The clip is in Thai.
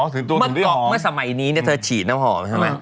เมื่อสมัยนี้เนี่ยเธอฉีดน้ำหอมใช่มั้ย